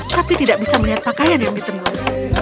tapi tidak bisa melihat pakaian yang ditenun